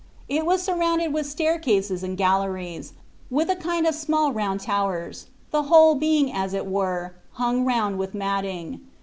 It was sur rounded with staircases and galleries, with a kind of small round towers, the whole being as it were hung round with matting.